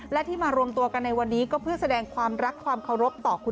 และที่มารวมตัวกันในวันนี้ก็เพื่อแสดงความรักความเคารพต่อคุณ